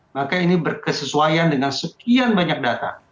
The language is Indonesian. maka ini berkesesuaian dengan sekian banyak data